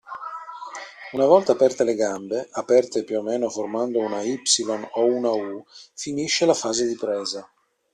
Una volta aperte le gambe aperte più o meno formando una "Y" o una "U", finisce la fase di presa.